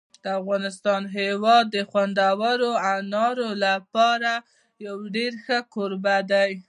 د افغانستان هېواد د خوندورو انارو لپاره یو ډېر ښه کوربه دی.